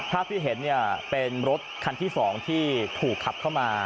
ภาพที่เห็นเนี่ยเป็นรถคันที่๒ที่ถูกขับเข้ามา